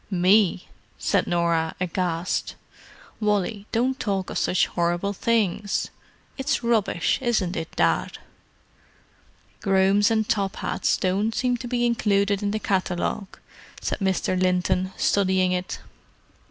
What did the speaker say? "Me!" said Norah, aghast. "Wally, don't talk of such horrible things. It's rubbish, isn't it, Dad?" "Grooms and top hats don't seem to be included in the catalogue," said Mr. Linton, studying it.